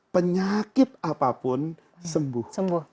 penyakit apapun sembuh